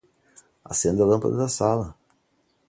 Acenda a lâmpada da sala